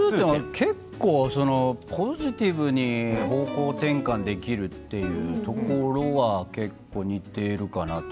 結構ポジティブに方向転換できるというところは似ているかなと。